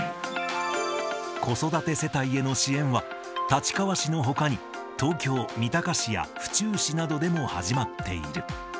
子育て世帯への支援は、立川市のほかに東京・三鷹市や府中市などでも始まっている。